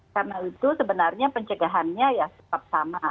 karena itu sebenarnya pencegahannya ya tetap sama